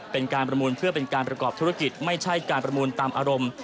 เป็นการประมูลเพื่อเป็นการประกอบธุรกิจไม่ใช่การประมูลตามอารมณ์